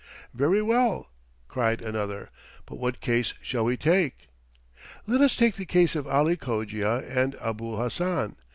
"Very well," cried another. "But what case shall we take?" "Let us take the case of Ali Cogia and Abul Hassan.